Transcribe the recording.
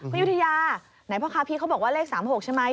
ยุธยาไหนพ่อค้าพีชเขาบอกว่าเลข๓๖ใช่ไหม